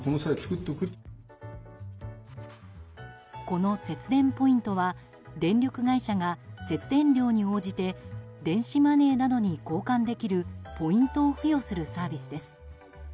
この節電ポイントは電力会社が節電量に応じて電子マネーなどに交換できるポイントを付与するサービスです。